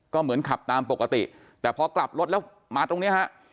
ก็เหมือนขับตามปกติแต่พอกลับรถแล้วมาตรงเนี้ยฮะ